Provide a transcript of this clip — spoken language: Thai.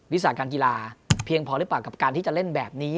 สาการกีฬาเพียงพอหรือเปล่ากับการที่จะเล่นแบบนี้